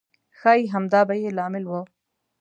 ښایي همدا به یې لامل و.